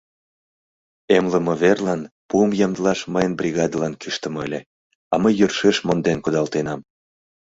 Эмлыме верлан пуым ямдылаш мыйын бригадылан кӱштымӧ ыле, а мый йӧршеш монден кудалтенам.